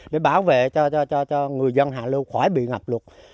để bảo vệ cho người dân hạ lưu khỏi bị ngập lụt